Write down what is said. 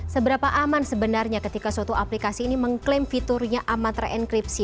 seberapa aman sebenarnya ketika suatu aplikasi ini mengklaim fiturnya amat terenkripsi